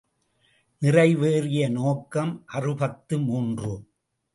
நிறைவேறிய நோக்கம் அறுபத்து மூன்று.